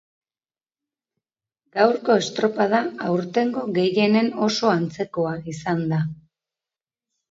Gaurko estropada aurtengo gehienen oso antzekoa izan da.